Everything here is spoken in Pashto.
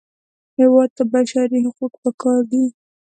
هېواد ته بشري حقوق پکار دي